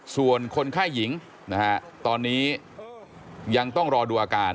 ส่วนคนไข้หญิงนะฮะตอนนี้ยังต้องรอดูอาการ